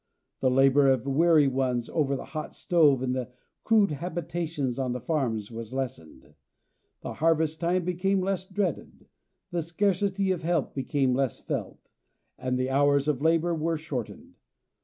The labor of weary ones over the hot stove in the crude habitations on the farms was lessened. The harvest time became less dreaded; the scarcity of help became less felt, and the hours of labor were shortened.